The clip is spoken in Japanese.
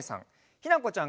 ひなこちゃん。